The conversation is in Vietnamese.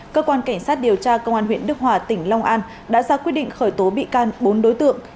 cơ quan cảnh sát điều tra công an huyện đức hòa tỉnh long an đã ra quyết định khởi tố bị can bốn đối tượng